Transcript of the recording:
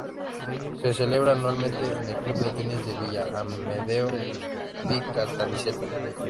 Se celebra anualmente en el club de tenis de Villa Amedeo di Caltanissetta.